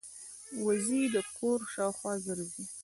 وزې د کور شاوخوا ګرځي